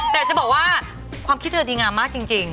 แต่จะบอกว่าความคิดเธอดีงามมากจริง